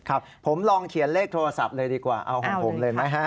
ครับผมลองเขียนเลขโทรศัพท์เลยดีกว่าเอาของผมเลยไหมฮะ